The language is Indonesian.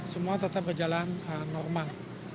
semua tetap berjalan normal